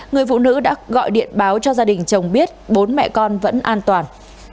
người phụ nữ đã gọi điện báo cho gia đình chồng biết bốn mẹ con vẫn an toàn